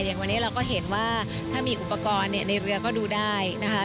อย่างวันนี้เราก็เห็นว่าถ้ามีอุปกรณ์ในเรือก็ดูได้นะคะ